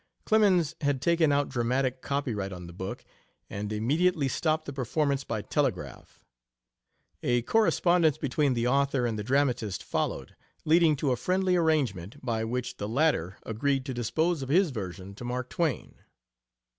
Clemens had taken out dramatic copyright on the book, and immediately stopped the performance by telegraph. A correspondence between the author and the dramatist followed, leading to a friendly arrangement by which the latter agreed to dispose of his version to Mark Twain.